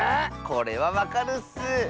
これはわかるッス！